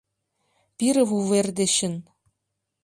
Пире вувер дечын